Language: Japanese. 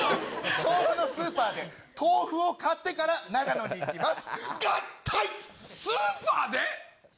調布のスーパーで豆腐を買ってから、長野に行きます。